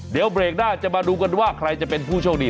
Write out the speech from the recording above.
เดี๋ยวเบรกหน้าจะมาดูกันว่าใครจะเป็นผู้โชคดี